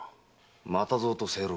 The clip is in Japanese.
又蔵と清六。